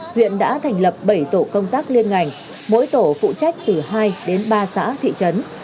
huyện đã thành lập bảy tổ công tác liên ngành mỗi tổ phụ trách từ hai đến ba xã thị trấn